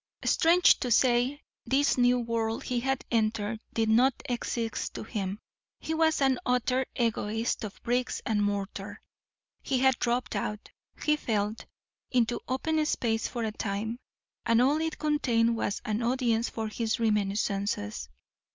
Strange to say, this new world he had entered did not exist to him. He was an utter egoist of bricks and mortar. He had dropped out, he felt, into open space for a time, and all it contained was an audience for his reminiscences.